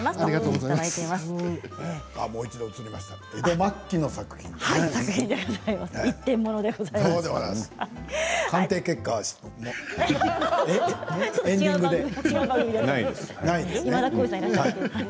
江戸末期の作品ですね。